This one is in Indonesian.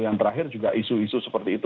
yang terakhir juga isu isu seperti itu